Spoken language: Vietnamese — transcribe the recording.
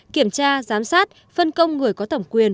kiểm tra giám sát phân công người có thẩm quyền